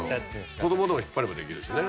子供でも引っ張ればできるしね。